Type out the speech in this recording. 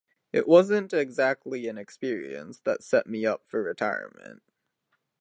It wasn't exactly an experience that set me up for retirement.